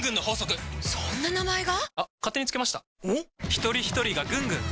ひとりひとりがぐんぐん！